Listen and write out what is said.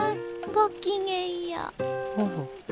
ごきげんよう。